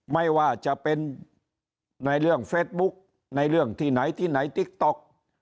ไม่ว่าจะเป็นในเรื่องเฟสบุ๊กในเรื่องที่ไหนที่ไหนติ๊กต๊อก